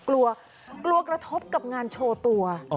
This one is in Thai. กลัวกลัวกระทบกับงานโชว์ตัว